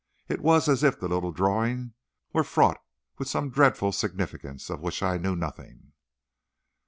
It was as if the little drawing were fraught with some dreadful significance of which I knew nothing.